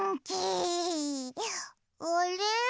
あれ？